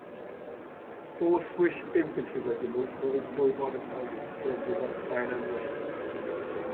Four Swiss infantry regiments were employed by Napoleon, serving in both Spain and Russia.